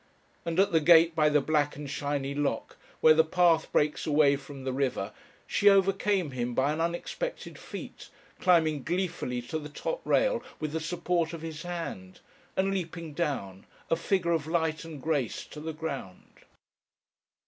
And at the gate by the black and shiny lock, where the path breaks away from the river, she overcame him by an unexpected feat, climbing gleefully to the top rail with the support of his hand, and leaping down, a figure of light and grace, to the ground.